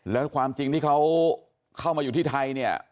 แล้วความจริงที่เขาเข้ามาอยู่ที่ไทยเนี่ย